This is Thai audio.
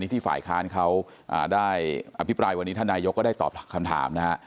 ที่ฝ่ายค้านเขาได้อภิปรายวันนี้ท่านนายกก็ได้ตอบคำถามนะฮะ